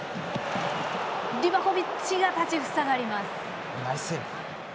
リバコビッチが立ちふさがります。